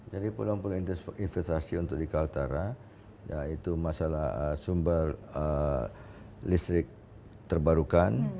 jadi peluang peluang investasi untuk ikn utara ya itu masalah sumber listrik terbarukan